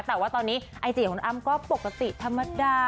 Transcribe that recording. แต่ว่าตอนนี้ไอจีของคุณอ้ำก็ปกติธรรมดา